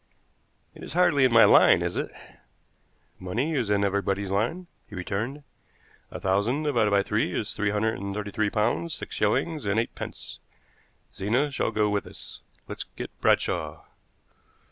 "It is hardly in my line, is it?" "Money is in everybody's line," he returned. "A thousand divided by three is three hundred and thirty three pounds six shillings and eight pence. Zena shall go with us. Let's get Bradshaw."